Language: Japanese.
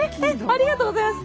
ありがとうございます！